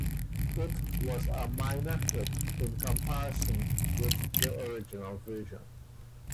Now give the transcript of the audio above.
It was a minor hit in comparison with the original version.